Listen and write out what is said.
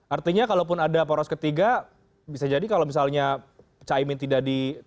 artinya kalaupun ada poros ketiga bisa jadi kalau misalnya caimin tidak di